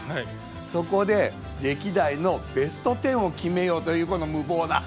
そこで歴代のベスト１０を決めようというこの無謀な。